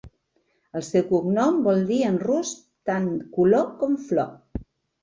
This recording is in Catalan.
El seu cognom vol dir en rus tant "color" com "flor".